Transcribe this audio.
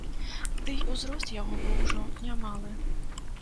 Дый узрост яго быў ужо немалы.